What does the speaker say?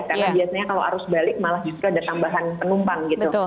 karena biasanya kalau arus balik malah juga ada tambahan penumpang gitu